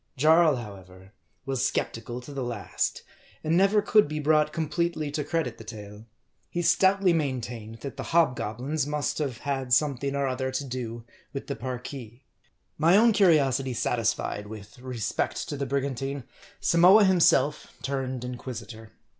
Jarl, however, was skeptical to the last ; and never could be brought completely to credit the tale. He stoutly main tained that the hobgoblins must have had something or other to do with the Parki. My own curiosity satisfied with respect to the brigan tine, Samoa himself turned inquisitor.